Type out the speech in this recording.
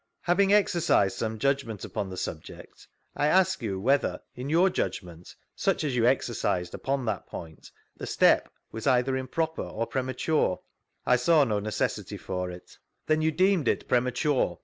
Having exercised some judgment upon the subject, I ask you whether, in your judgment, such as you eiRrcised upcm that point, the step was either improper or fvemature ?— I saw no necessity for it. Then you deemed it premature?